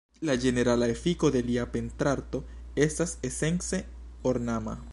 La ĝenerala efiko de lia pentrarto estas esence ornama.